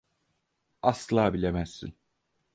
Asla bilemezsin.